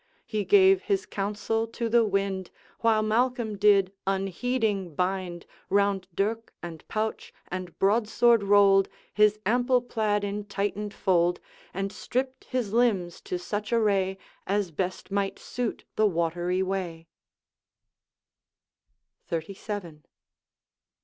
He gave his counsel to the wind, While Malcolm did, unheeding, bind, Round dirk and pouch and broadsword rolled, His ample plaid in tightened fold, And stripped his limbs to such array As best might suit the watery way, XXXVII.